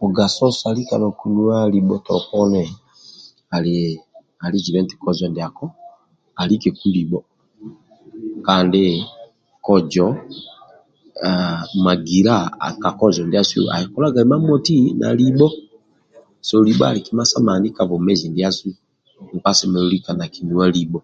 Mugaso sa lika nokunuwa libho bwile poni ali jibe ti kojo ndiako alikeku libho kandi kojo aah magila ka kozo ndiasu akikolaga mamoti na libho so libho ali kima sa mani ka bwomezi ndiasu nkpa asemelelu lika nakinuwa libho.